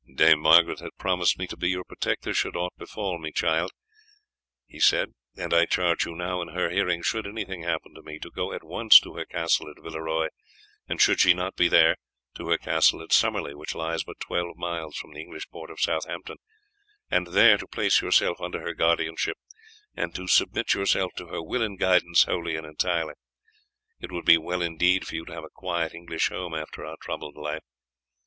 "Dame Margaret has promised me to be your protector should aught befall me, child," he said, "and I charge you now in her hearing should anything happen to me to go at once to her castle at Villeroy, and should she not be there to her castle at Summerley, which lies but twelve miles from the English port of Southampton, and there to place yourself under her guardianship, and to submit yourself to her will and guidance wholly and entirely. It would be well indeed for you to have a quiet English home after our troubled life.